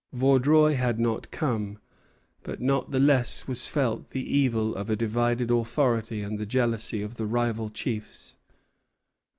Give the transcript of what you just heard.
Vaudreuil had not come; but not the less was felt the evil of a divided authority and the jealousy of the rival chiefs.